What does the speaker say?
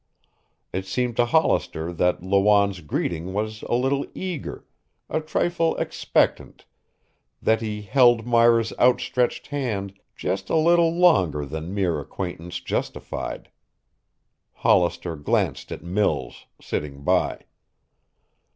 It seemed to Hollister that Lawanne's greeting was a little eager, a trifle expectant, that he held Myra's outstretched hand just a little longer than mere acquaintance justified. Hollister glanced at Mills, sitting by.